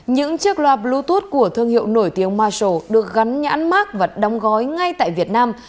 những chiếc loạt bluetooth của thương hiệu nổi tiếng marshall được gắn nhãn mát và đong gói ngay tại việt nam